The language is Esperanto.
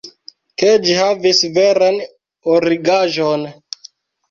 ke ĝi havis veran origaĵon.